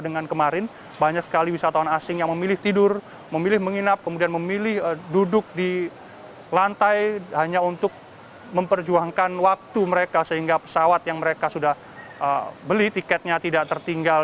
dengan kemarin banyak sekali wisatawan asing yang memilih tidur memilih menginap kemudian memilih duduk di lantai hanya untuk memperjuangkan waktu mereka sehingga pesawat yang mereka sudah beli tiketnya tidak tertinggal